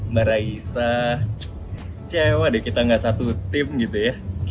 mbak raisa cewa deh kita gak satu tim gitu ya